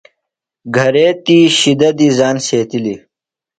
گھرے تی شِدہ دی زان سیتِلیۡ۔